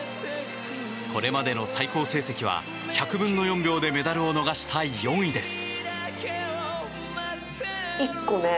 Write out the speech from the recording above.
これまでの最高結果は１００分の４秒でメダルを逃した４位です。